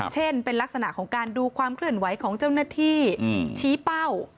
เช่นเป็นลักษณะของการดูความเคลื่อนไหวของเจ้าหน้าที่ชี้เป้า